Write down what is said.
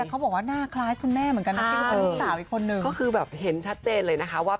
แต่เขาถึงว่าน่าคล้ายคุณแม่เหมือนกันคือเป็นสาวอีกคนนึง